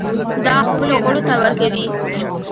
دا خپلو غړو ته ورکوي.